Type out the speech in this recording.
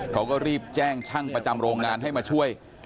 เขาก็รีบแจ้งช่างประจำโรงงานให้มาช่วย